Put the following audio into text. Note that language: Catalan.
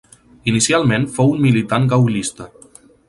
Inicialment fou un militant gaullista.